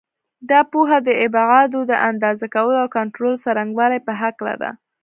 دا پوهه د ابعادو د اندازه کولو او کنټرول څرنګوالي په هکله ده.